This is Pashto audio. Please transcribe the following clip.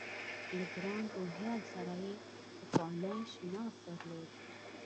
له ګران روهیال سره یې پخوانی شناخت درلود.